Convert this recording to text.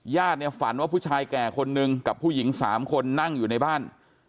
ญาติเนี่ยฝันว่าผู้ชายแก่คนนึงกับผู้หญิง๓คนนั่งอยู่ในบ้าน